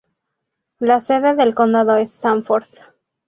La sede del condado es Sanford.